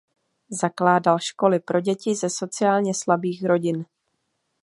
Zakládal školy pro děti ze sociálně slabých rodin.